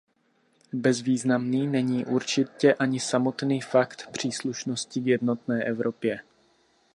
Bezvýznamný není určitě ani samotný fakt příslušnosti k jednotné Evropě.